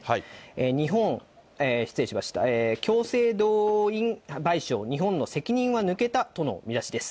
日本、失礼しました、強制動員賠償、日本の責任は抜けたとの見出しです。